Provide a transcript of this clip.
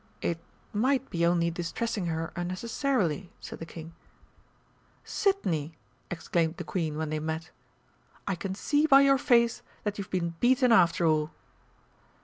"It might be only distressing her unnecessarily," said the King. "Sidney!" exclaimed the Queen when they met, "I can see by your face that you've been beaten after all!"